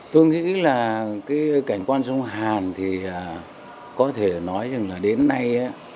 tôi nghĩ là cái cảnh quan sông hàn thì có thể nói rằng là đến nay